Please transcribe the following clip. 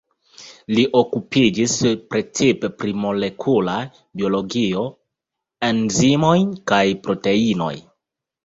Li okupiĝis precipe pri molekula biologio, enzimoj kaj proteinoj.